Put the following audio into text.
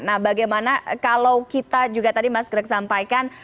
nah bagaimana kalau kita juga tadi mas greg sampaikan